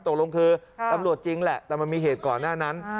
ตกลงคือตำรวจจริงแหละแต่มันมีเหตุก่อนหน้านั้น